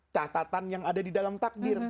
catatan yang ada di dalam takdir